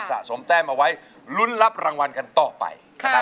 สะสมแต้มเอาไว้ลุ้นรับรางวัลกันต่อไปนะครับ